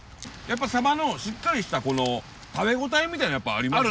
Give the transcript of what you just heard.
サバのしっかりした食べ応えみたいなのやっぱありますよ。